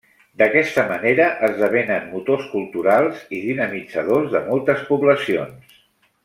D'aquesta manera esdevenen motors culturals i dinamitzadors de moltes poblacions.